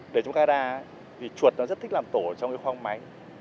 để trong ca đa thì chuột nó rất thích làm tổ trong cái khoang máy